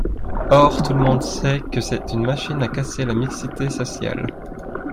Or tout le monde sait que c’est une machine à casser la mixité sociale.